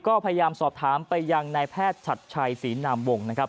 ก็พยายามสอบถามไปยังนายแพทย์ฉัดชัยศรีนามวงนะครับ